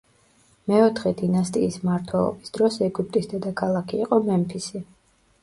მეოთხე დინასტიის მმართველობის დროს ეგვიპტის დედაქალაქი იყო მემფისი.